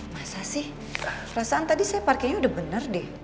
masa sih perasaan tadi saya parkirnya udah bener deh